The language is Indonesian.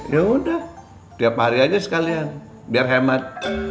ya udah tiap hari aja sekalian biar hemat